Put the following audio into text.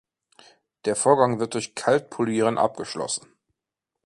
Der Vorgang wird durch Kaltpolieren abgeschlossen.